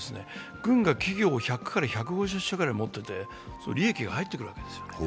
軍が企業を１５０社くらい持ってて利益が入ってくるわけですよね。